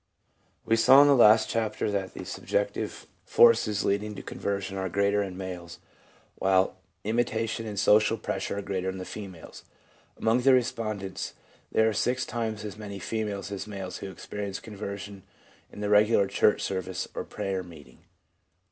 We saw in the last chapter that the subjective 66 THE PSYCHOLOGY OF RELIGION forces leading to conversion are greater in males, while imitation and social pressure are greater in females. 1 Among the respondents there are six times as many females as males who experience conversion in the regular church service or prayer meeting.